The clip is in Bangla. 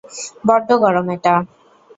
বড্ড গরম এটা।